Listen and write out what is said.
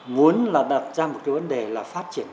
muốn là đặt ra một cái vấn đề là phát triển